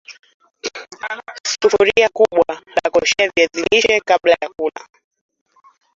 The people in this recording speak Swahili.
sufuria kubwa la kuoshea viazi lishe kabla ya kula